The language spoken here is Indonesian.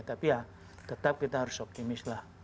tapi ya tetap kita harus optimis lah